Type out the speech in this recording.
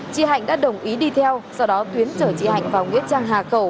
chị hạnh đã đồng ý đi theo sau đó tuyến chở chị hạnh vào nghĩa trang hà khẩu